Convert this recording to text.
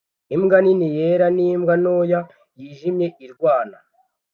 Imbwa nini yera nimbwa ntoya yijimye irwana